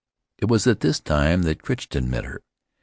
It was at this time that Crichton met her.